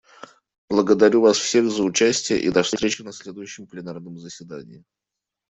Благодарю всех вас за участие, и до встречи на следующем пленарном заседании.